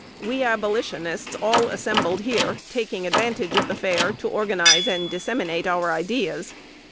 We Abolitionists all assembled here, taking advantage of the fair to organize and disseminate our ideas.